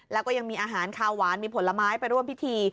แล้วก็ยังมีอาหารคาวหวานมีผลไม้ไปร่วมพิธี